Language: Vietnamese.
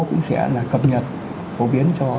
cũng sẽ là cập nhật phổ biến cho